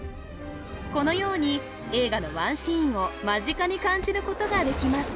このように映画のワンシーンを間近に感じることができます